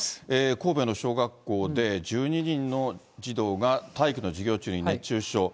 神戸の小学校で、１２人の児童が体育の授業中に熱中症。